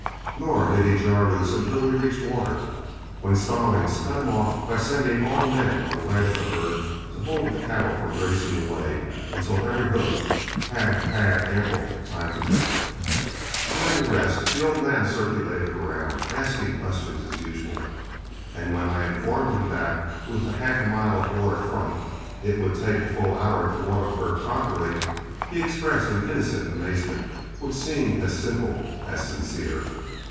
Nor did he jar loose until we reached water, when Stallings cut him off by sending all the men on the right of the herd to hold the cattle from grazing away until every hoof had had ample time to drink. During this rest, the old man circulated around, asking questions as usual, and when I informed him that, with a half mile of water front, it would take a full hour to water the herd properly, he expressed an innocent amazement which seemed as simple as sincere.